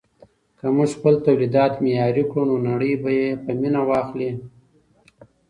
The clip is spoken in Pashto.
که موږ خپل تولیدات معیاري کړو نو نړۍ به یې په مینه واخلي.